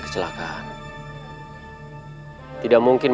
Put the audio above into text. kenapa bisa terjadi seperti ini